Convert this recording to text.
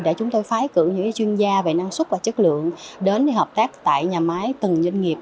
để chúng tôi phái cử những chuyên gia về năng suất và chất lượng đến hợp tác tại nhà máy từng doanh nghiệp